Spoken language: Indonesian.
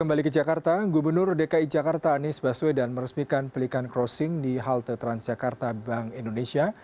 kembali ke jakarta gubernur dki jakarta anies baswedan meresmikan pelikan crossing di halte transjakarta bank indonesia